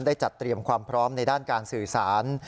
จัดเตรียมความพร้อมในด้านการสื่อสาร